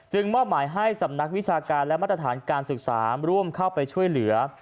มอบหมายให้สำนักวิชาการและมาตรฐานการศึกษาร่วมเข้าไปช่วยเหลือ